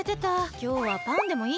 きょうはパンでもいい？